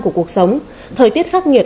của cuộc sống thời tiết khắc nghiệt